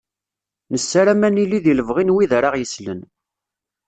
Nessaram ad nili di lebɣi n wid ara aɣ-yeslen.